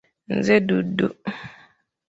Nze Dudu.